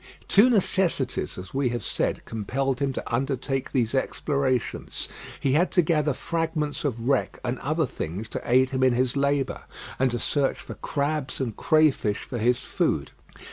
Two necessities, as we have said, compelled him to undertake these explorations. He had to gather fragments of wreck and other things to aid him in his labour, and to search for crabs and crayfish for his food.